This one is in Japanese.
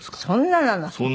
そんななの？